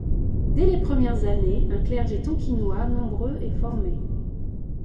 Dès les premières années, un clergé tonkinois nombreux est formé.